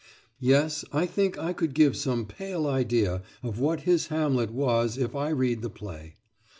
Yes, I think I could give some pale idea of what his Hamlet was if I read the play!